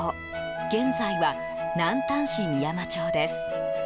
現在は南丹市美山町です。